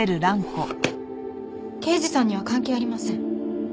刑事さんには関係ありません。